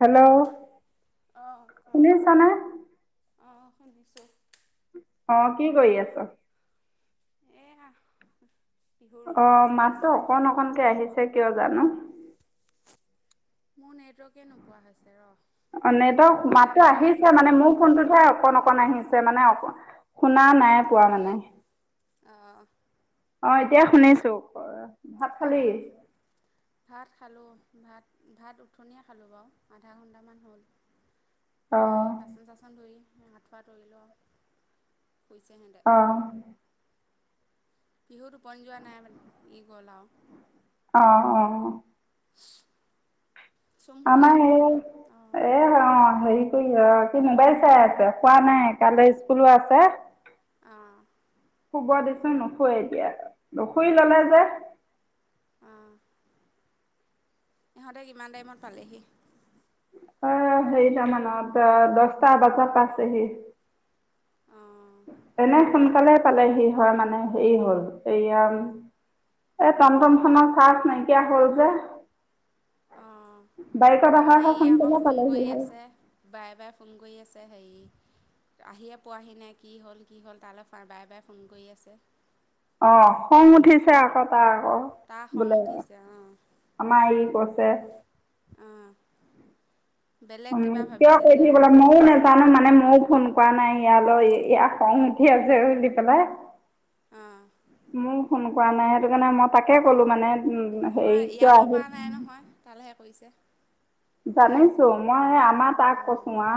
Hello. অঁ, ক শুনিছানে? অঁ শুনিছোঁ। অঁ, কি কৰি আছ? এয়া। বিহুৰ ৰুটিন অঁ, চাই মাতটো আছোঁ অকণ অকনকে আহিছে কিয় জানো। মোৰ নেটৱৰ্কে নোপোৱা হৈছে ৰ। অঁ, সন্ধিয়া নেটৱৰ্ক সন্ধিয়া মাতটো হ'লে নেটৱৰ্ক আহিছে মানে, নাপায় মোৰ ফোনটোতহে অকণ অকণ আহিছে মানে, অক শুনা নাই পোৱা মানে। অঁ। অঁ, এতিয়া শুনিছোঁ ক। অঁ। ভাত খালোঁ, ভাত ভাত উঠনিয়ে খালোঁ বাৰু, আধা ঘণ্টামান হ'ল। খাই অ' বাচন চাচন ধুই আঁঠুৱা তৰি লওঁ, শুইছে সিহঁ অঁ। পিহু টোপনি যোৱা নাই মানে, ই গ'ল আও। অঁ, অ। চুম শুলে আমৰ হেৰি অঁ, হেৰি কৰিবা, সি মোবাইল চাই আছে, খোৱা নাই কাইলে স্কুলো আছে। অঁ। শুব দিছোঁ নুশুই এতিয়া, শুই ল'লে যে। অঁ। ইহঁতে কিমান টাইমত পালেহি? অ হেৰি টা মানত, দশটা বজাত পাইছেহি। অঁ এনেই সোনকালে পালেহি হয়, মানে হেৰি হ'ল, এয়া এই টমটম খনৰ চাৰ্জ নাইকিয়া হ'ল যে। অঁ, বাইকত অহা আমাৰ হয় ই আকৌ সোনকালে ফোন পালেহি কৰি হয়। আছে। বাৰে বাৰে ফোন কৰি আছে, হেৰি আহিয়ে পোৱাহি নাই কি হ'ল, কি হ'ল, তালৈ বাৰে বাৰে ফোন কৰি আছে। অঁ, খং উঠিছে আক। তাই আকৌ তাৰ খং বোলে, উঠিছে অঁ আমাৰ ই কৈছে অঁ। বেলেগ উম, কিবা কিয় ভাবিছে কৈ যে থাকিব আকৌ লাগে, ময়ো নে জানো, মানে ময়ো ফোন কৰা নাই ইয়ালৈ, ইয়াৰ খং উঠি আছে বুলি পেলাই। উম। ময়ো ফোন কৰা নাই সেইটো কাৰণে, মই তাকে ক'লো মানে। উম, হেৰি নহয়, কিয় ইয়ালে কৰা নাই আহি নহয়, তালৈহে কৰিছে। জানিছোঁ, মই আমাৰ তাক কৈছোং আও,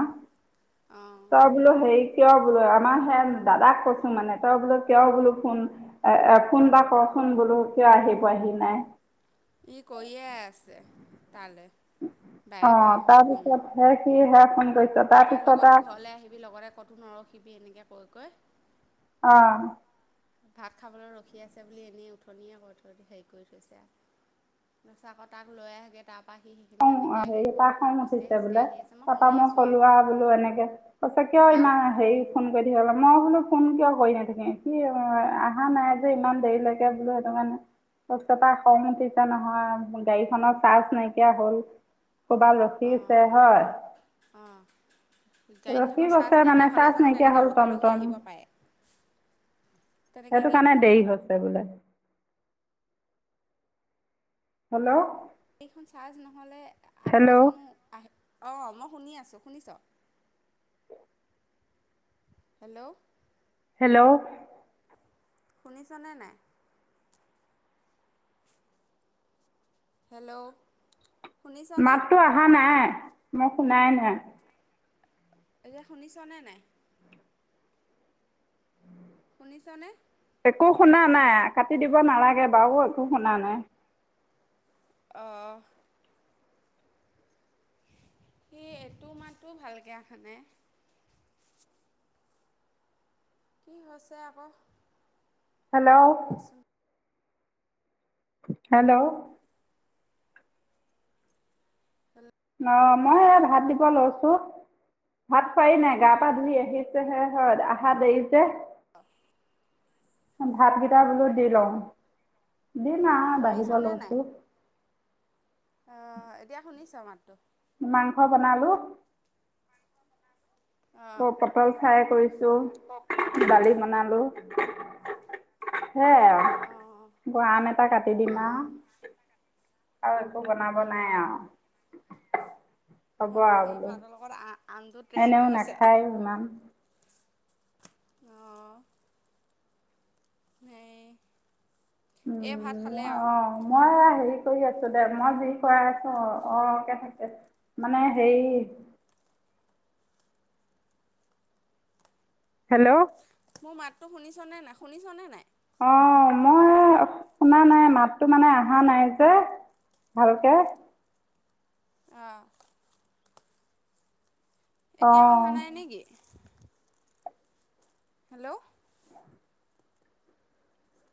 অঁ তই বোলো হেৰি কিয় বোলো আমাৰ হে দাদাক কৈছো মানে, তই বোলে কিয় বোলো ফোন অ অ ফোন এটা কৰচোন বোলো কিয় আহি পোৱাহি নাই। ই কৰিয়ে আছে তালে। অঁ তাৰপিছত সে সি হে ফোন কৰি তাকে লগতে ঘৰলৈ আহিবি লগতে ক'ত নৰখিবি এনেকৈ কৈ কৈ। অঁ। ভাত খাবলৈ ৰখি আছে বুলি এনেই উথনিয়ে কৈ থৈ হেৰি কৰি থৈছে আও। মই কৈছোঁ তাক লৈ আহেগৈ তাৰপৰা সি সেইখিনি খং এনেকৈ হ আহিব তাৰ খং খোজকাঢ়ি উঠিছে খোজকাঢ়ি বোলে আহি আছে তাৰাপা শুনি মই আছোঁ আৰু কলোৱা বোলো এনেকে সঁচাকে আও হা ইমান হাই। ফোন কৰি থাকিবাগ মই বোলো ফোন কিয় কৰি নাথাকি কি অহা নাই যে ইমান দেৰিলৈকে বোলো সেইটো কাৰে। পতকে তাৰ খং উঠিছো নহয় গাড়ীখনৰ চাৰ্জ নাইকিয়া হ'ল ক'ৰব। উঠি ছে অঁ হয়। অঁ। ৰখি গাড়ীখনৰ চাৰ্জ গৈছে নাইকিয়া মানে হ'লে চাৰ্জ জানো নাইকিয়া তেনেকৈ হ'ল ৰখি ৰখি টমটম। আহিব পাৰে তেনেকৈ সেইটো কি কাৰণে দেৰি হৈছে বোলে। হেল্ল'। এইখন চাৰ্জ নহ'লে আকৌ হেল্ল' জানো আহি অঁ মই শুনি আছোঁ শুনিছ। হেল্ল'। হেল্ল'। শুনিছানে নাই। হেল্ল'। শুনিছনে মাতটো অহা নাই মই শুনাই নাই। এতিয়া শুনিছনে নাই। শুনিছনে। একো শুনা নাই কাটি দিব নালাগে বাৰু একো শুনা নাই। অঁ। সি এইটো মাততো ভালকৈ অহা নাই। কি হৈছে আক। হেল্ল'। হেল্ল'। অ মই ভাত দিব লৈছোঁ। ভাত খোৱাই নাই গা পা ধুই আহিছে হে হয় আহা দেৰি হৈছে। অহ। ভাতকেইটা বোলো দি লওঁ দিম আৰু বাঢ়িব শুনিছনে লৈছোঁ। অ এতিয়া শুনিছা মাতটো। মাংস বনালো। অঁ আৰু পটল ফ্ৰাই কৰিছো অঁ দালি বনালো। সেয়াই আৰু আম এটা কাটি দিম অঁ আৰু। আৰু একো বনাব নাই উম আ। তহঁতৰ সেই ভাৰতৰ লগৰ আনটো ট্ৰেণ্ড হৈছে। বেমাত। অঁ সেই। এই উম, ভাত খালে আও। অঁ মই হেৰি কৰি আছো দে মই যি কৰাই আছো অ অকে থাকে। মানে সেই। হেল্ল'। মোৰ মাতটো শুনিছনে নাই শুনিছনে নাই? অঁ মই। শুনা নাই মাততো মানে অহা নাই যে ভালকে। অঁ। এতিয়া অঁ অহা নাই নেকি? হেল্ল'!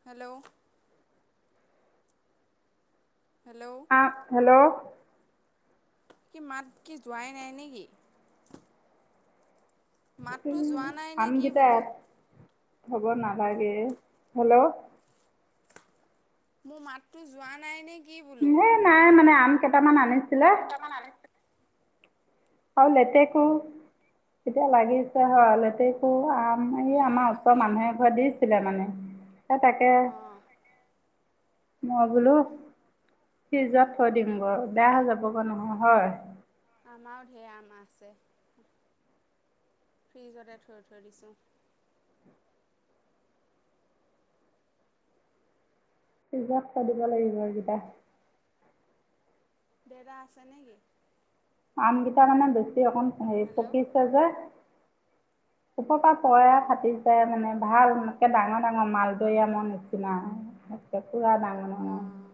হেল্ল'! হেল্ল'! হেল্ল'! কি, মাত কি, যোৱাই নাই নেকি? মাতটো যোৱা নাই নে আম কি গেইটা বোলো ইয়াত থব নালাগে। হেল্ল' মোৰ মাতটো যোৱা নাই নেকি বোলো! এই নাই মানে আম কেইটামান আনিছিলে। [inaudible] হয় [inaudible] কক এতিয়া লাগিছে হয়, লেতেকু আম এই আমাৰ ওচৰৰ মানুহে ঘৰত দিছিলে মানে। এ, তাকে মই বোলো ফ্ৰিজত থৈ দিম বাৰু বেয়া যাবগৈ নহয়, হয়। আমাৰও ঢেৰ আমাৰ আছে, ফ্ৰিজতে থৈ থৈ দিছোঁ। ফ্ৰিজত থৈ দিব লাগিব এই কেইটা। দেতা আছে নেকি? আমকেইটা মানে বেছি অকণ হেৰি হেল্ল' পকিছে যে। ওপ পৰা পৰে অঁ ফাটিছে মানে ভাল ডাঙৰ-ডাঙৰ মাল। [inaudible] আমৰ নিচিনা [inaudible] অঁ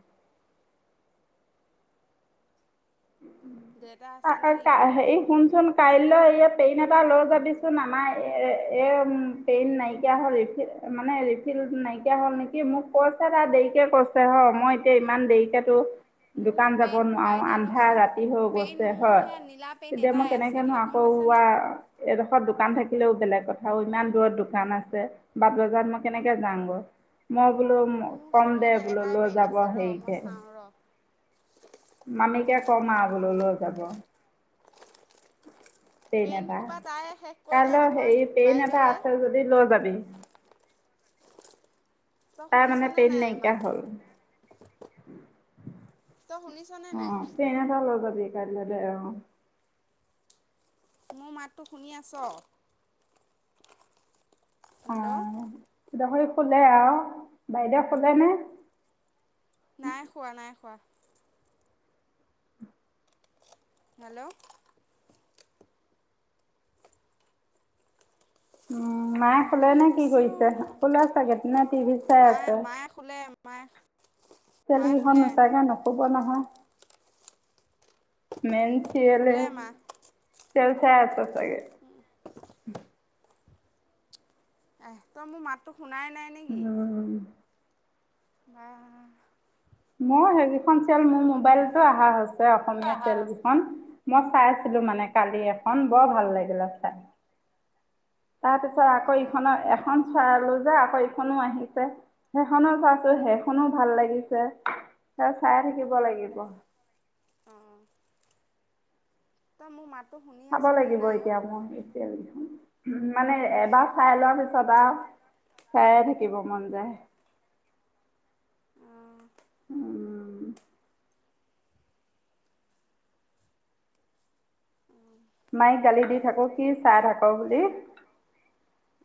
দেউতা আছে নেকি বোলো হেৰি ঘৰত? শুনচোন! কাইলৈ এই পেইন এটা লৈ যাবিচোন, আমাৰ এই পেইন নাইকিয়া হ'ল, ৰিফ মানে ৰিফিল নাইকিয়া হ'ল নেকি, মোক কৈছে তাৰ দেৰিকে কৈছে হ, মই এতিয়া ইমান দেৰিকেতো। মোৰ দোকান যাব পেইন সোপা নোৱাৰো এতিয়া আন, আন্ধা ৰচোন ৰাতি হৈ পেইন গৈছে মোৰ হয়, সেয়া নীলা পেইন তেতিয়া মই এটাই কেনেকেনো আছেগে গম পাইছানে? আকৌৱা। এডোখৰ দোকান থাকিলেও বেলেগ কথা আৰু ইমান দূৰত দোকান আছে। বাট বজাৰ মই কেনেকে যাম গৈ। মই বোলো মোৰ কম ওচৰতো দে এতিয়া বোলো এটাই লৈ পেইন যাব আছে ৰ মই হেৰিকৈ চাওঁ ৰ অ', মামিকে কম আৰু আগলৈ লৈ যাব। পেইন এটা, সোপা তাই শেষ কৰিলে কাইলৈ নহয় হেৰি পেইন এটা বাইদেৱে আছে যদি লৈ যাবি। তই তাই মানে শুনিছনে পেইন নাই নাইকিয়া মাতটো? হ'ল তই শুনিছনে নাই? পেন এটা লৈ যাবি কাইলৈ তই অ, মোৰ মাতটো শুনি আছ? হেল্ল'! গাহৰি খোলে আৰু, বাইদেউ খোলে নে? নাই খোৱা, নাই খোৱা। হেল্ল'! উ মায়ে শুলে নে কি হৈছে অ কৰিছে, শুলে চাগেদিনে টিভি চাই মায়ে আছে? মায়ে শুলে মাই। চিয়েলকেইখন নোচোৱা কৈ নুশুব নহয়, মেই চিয়লে শুলে চেল, মা চিয়েল চাই আছে চাগে। উম' এ, তই মোৰ মাতটো শুনাই নাই নেকি? উম। মোৰ সেইকেইখন চিয়েল মোৰ মোবাইলতো অহা হৈছে অসমীয়া চিয়েল অঁ কেইখন। মই চাই আছিলো মানে কালি এখন বৰ ভাল লাগিলে চাই। তাৰপিছত আকৌ, ইখনৰ অঁ এখন চালো যে আকৌ ইখনো আহিছে, সেইখনো চাইছো সেইখনো ভাল লাগিছে। ত, চাই থাকিব লাগিব। তই মোৰ মাতটো শুনি চাব আছনে লাগিব নাই অ,? এতিয়া [inaudible] মানে এবাৰ চাই লোৱা পিছত আৰু চায়ে থাকিব মন যায়। অঁ উম, মাইক গালি দি থাকো, কি চাই থাক বুলি,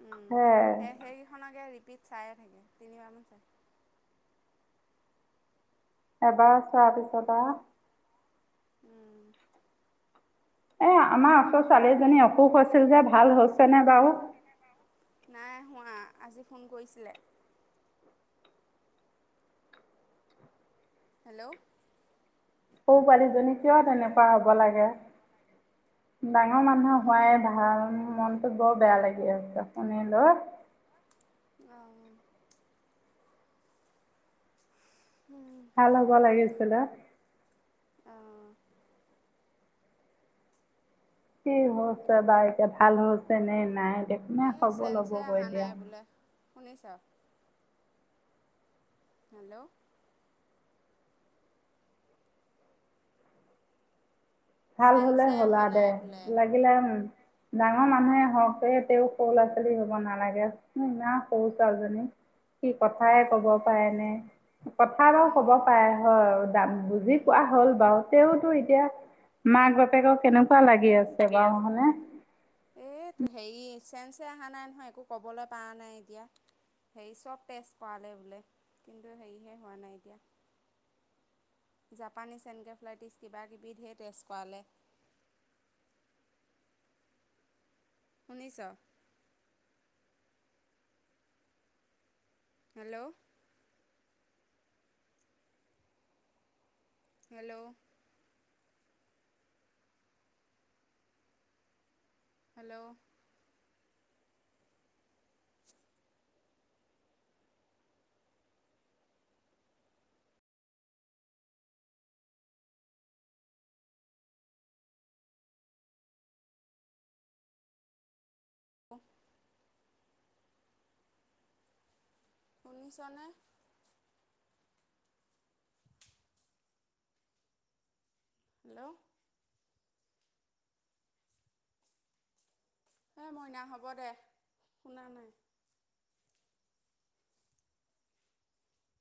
উম হে সেই সেইকেইখনকে ৰিপিট চায়ে থাকে, তিনিবাৰমান চাই এবাৰ চোৱাৰ পিছত আৰু উম এই, আমাৰ ওচৰ ছোৱালী এজনী অসুখ হৈছিল যে ভাল হৈছে নে বাৰু? সৰু নাই হোৱা আজি ফোন কৰিছিলে। হেল্ল, সৰু, পোৱালীজনী কিয় তেনেকুৱা হ'ব লাগে? ডাঙৰ মানুহ উম হোৱাই ভাল, মনতো বৰ বেয়া লাগি আছে শুনিলৈ। অ, ভাল হ'ব লাগিছিলে। অ, কি হৈছে বাৰু এতিয়া ভাল হৈছে নে, নাই দে এই চেঞ্চে অহা নাই বোলে, শুনিছো? হেল্ল, ভাল হলে চেঞ্চে অহা হ'লা নাই দে, বোলে লাগিলে ডাঙৰ মানুহে হ'ওক তেওঁ সৰু ল'ৰা-ছোৱালী হ'ব নালাগে। মোৰ ইমান সৰু, ছালজনী কি কথাই অঁ ক'ব পাৰেনে? কথা বাৰু ক'ব উম পাৰে হয়া, বুজি কোৱা হ'ল বাৰু তেতো এতিয়া মাক বাপেকৰ কেনেকুৱা লাগি আছে বাৰু হয় নে। এই হেৰি চেঞ্চে অহা নাই নহয়, একো ক'বলৈ পৰা নাই এতিয়া। হেৰি চব তেজ কৰালে বোলে, কিন্তু হেৰিহে হোৱা নাই এতিয়া। জাপানীছ এনকেফ্লাইটিছ কিবা-কিবি ধেৰ টেষ্ট কৰালে। শুনিছ? হেল্ল, হেল্ল, হেল্ল, [inaudible] [inaudible] শুনিছ নে? হেল্ল, হেই মইনা হ'ব দে, শুনা নাই।